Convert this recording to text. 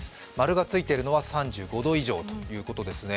○がついているのは３５度以上ということですね。